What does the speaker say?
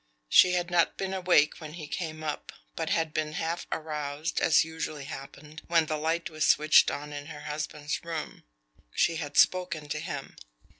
She had not been awake when he came up, but had been half aroused, as usually happened, when the light was switched on in her husband's room. She had spoken to him.